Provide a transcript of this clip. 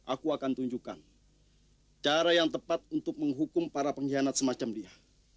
aku akan tunjukkan cara yang tepat untuk menghukum para pengkhianat semacam dia